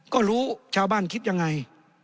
ก็รู้ชาวบ้านคิดยังไง